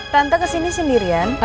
tante kesini sendirian